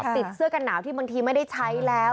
เสื้อกันหนาวที่บางทีไม่ได้ใช้แล้ว